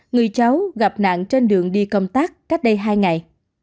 người cháu gặp nạn trên đường đi công tác cách đây hai ngày